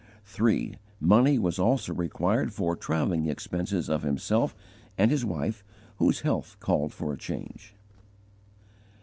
3. Money was also required for travelling expenses of himself and his wife, whose health called for a change.